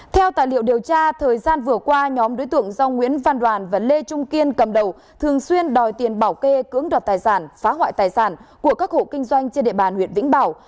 theo tài liệu điều tra thời gian vừa qua nhóm đối tượng do nguyễn văn đoàn và lê trung kiên cầm đầu thường xuyên đòi tiền bảo kê cưỡng đoạt tài sản phá hoại tài sản của các hộ kinh doanh trên địa bàn huyện vĩnh bảo